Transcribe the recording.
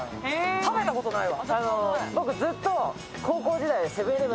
食べたことないわ。